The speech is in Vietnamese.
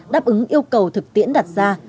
đáp ứng yêu cầu thực tiễn đặt ra